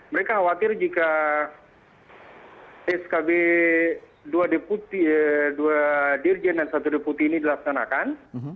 mereka khawatir jika skb dua dirjen dan satu deputi ini dilaksanakan